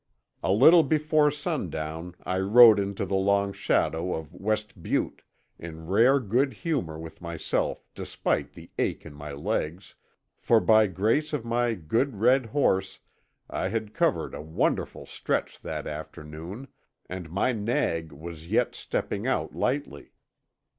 A little before sundown I rode into the long shadow of West Butte, in rare good humor with myself despite the ache in my legs, for by grace of my good red horse I had covered a wonderful stretch that afternoon, and my nag was yet stepping out lightly.